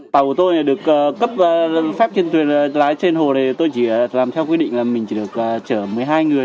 tàu của tôi được cấp phép trên thuyền lái trên hồ thì tôi chỉ làm theo quy định là mình chỉ được chở một mươi hai người